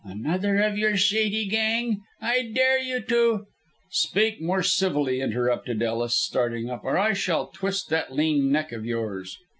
"Another of your shady gang. I dare you to " "Speak more civilly," interrupted Ellis, starting up, "or I shall twist that lean neck of yours."